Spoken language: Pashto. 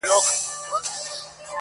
دا د یزید او کربلا لښکري!!